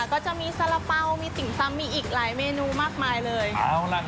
ก็จะมีสาระเป๋ามีติ่งซ้ำมีอีกหลายเมนูมากมายเลย